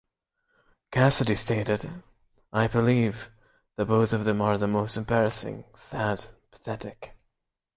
Cassidy stated, I believe the both of them are the most embarrassing, sad, pathetic...